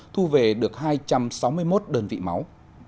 thu về được hai trăm sáu mươi một đơn vị máu